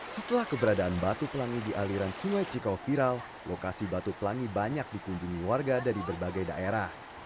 setelah keberadaan batu pelangi di aliran sungai cikau viral lokasi batu pelangi banyak dikunjungi warga dari berbagai daerah